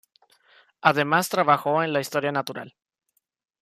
Además trabajó en la Historia natural.